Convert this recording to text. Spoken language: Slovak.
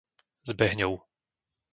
Zbehňov